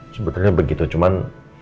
sebetulnya begitu cuman